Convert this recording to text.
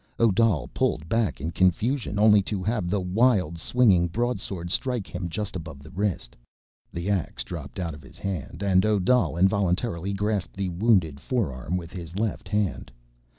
Odal pulled back in confusion, only to have the wild swinging broadsword strike him just above the wrist. The ax dropped out of his hand, and Odal involuntarily grasped the wounded forearm with his left hand.